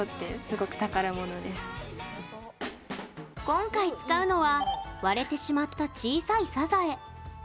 今回、使うのは割れてしまった小さいサザエ。